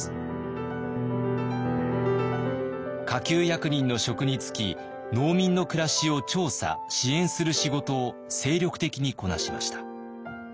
下級役人の職に就き農民の暮らしを調査・支援する仕事を精力的にこなしました。